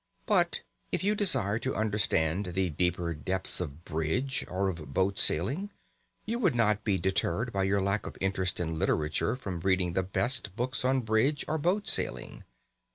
But if you desire to understand the deeper depths of bridge or of boat sailing you would not be deterred by your lack of interest in literature from reading the best books on bridge or boat sailing.